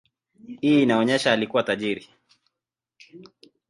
Hii inaonyesha alikuwa tajiri.